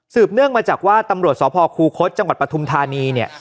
สืบเนื่องมาจากว่าตำรวจสคคจปธานี